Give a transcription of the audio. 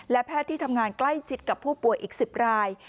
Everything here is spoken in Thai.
และแพทย์ที่ทำงานใกล้ชิดกับผู้ป่วยอีก๑๐ราย